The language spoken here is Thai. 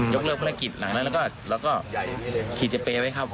ยกเลิกเวลาพลังกิจแล้วก็ขี้เจ๊เป้ไว้ครับ